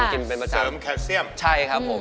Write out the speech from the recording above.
กินเป็นประจำเลยเสริมแคลเซียม